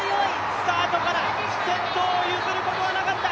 スタートから先頭を譲ることなかった。